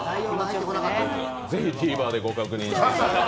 ぜひＴＶｅｒでご確認ください。